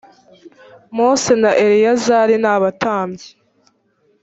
mose na eleyazari na abatambyi